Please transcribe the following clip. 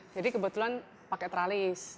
jadi kebetulan pakai tralis